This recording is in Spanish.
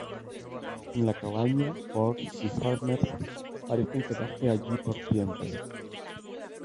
En la cabaña, Burns y Homer parecen quedarse allí por siempre.